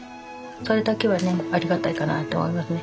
それだけはねありがたいかなとは思いますね。